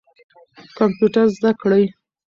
کمپیوټر زده کړئ.